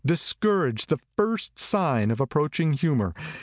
Discourage the first sign of approaching humor.